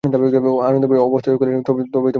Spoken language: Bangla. আনন্দময়ী ব্যস্ত হইয়া কহিলেন, তবেই তো মুশকিলে ফেললি।